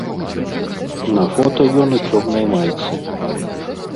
На фота ён у цёмнай майцы.